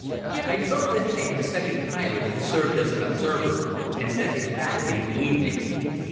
I took with me a second pilot, who served as an observer, and sent him back in the evening.